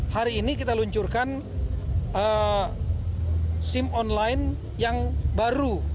hari ini kita luncurkan sim online yang baru